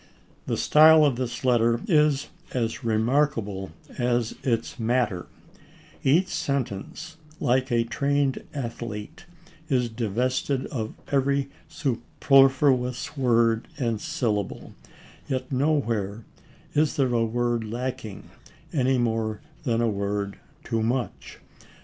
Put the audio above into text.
The style of this letter is as remarkable as its matter ; each sentence, like a trained athlete, is divested of every superfluous word and syllable, yet nowhere is there a word lacking, any more than a word too much.